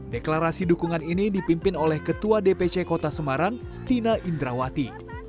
deklarasi dukungan ini dipimpin oleh ketua dpc kota semarang tina indrawati